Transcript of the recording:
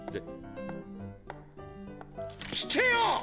聞けよっ！